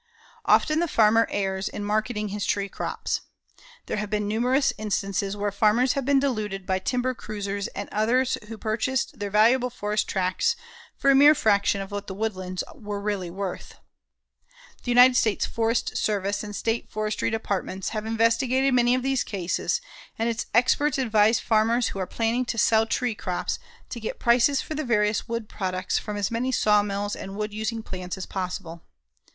Often the farmer errs in marketing his tree crops. There have been numerous instances where farmers have been deluded by timber cruisers and others who purchased their valuable forest tracts for a mere fraction of what the woodlands were really worth. The United States Forest Service and State Forestry Departments have investigated many of these cases and its experts advise farmers who are planning to sell tree crops to get prices for the various wood products from as many sawmills and wood using plants as possible.